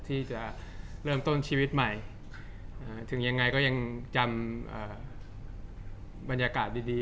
ที่จะเริ่มต้นชีวิตใหม่ถึงยังไงก็ยังจำบรรยากาศดี